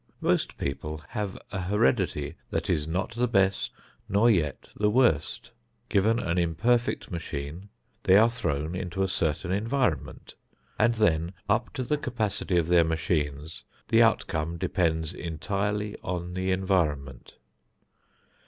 Most people have a heredity that is not the best nor yet the worst. Given an imperfect machine, they are thrown into a certain environment, and then up to the capacity of their machines the outcome depends entirely on the environment.